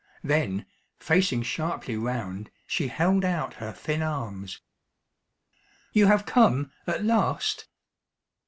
Then, facing sharply round, she held out her thin arms. "You have come at last?"